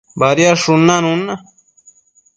Badiadshun nanun na